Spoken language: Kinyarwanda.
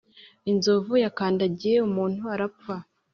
inzovu yakandagiye umuntu arapfa